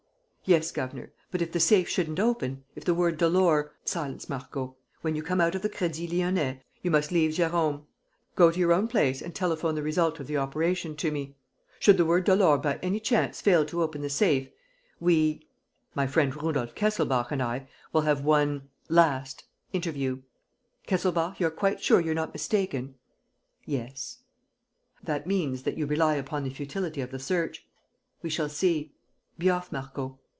"Yes, governor. But if the safe shouldn't open; if the word Dolor ..." "Silence, Marco. When you come out of the Crédit Lyonnais, you must leave Jérôme, go to your own place and telephone the result of the operation to me. Should the word Dolor by any chance fail to open the safe, we (my friend Rudolf Kesselbach and I) will have one ... last ... interview. Kesselbach, you're quite sure you're not mistaken?" "Yes." "That means that you rely upon the futility of the search. We shall see. Be off, Marco!"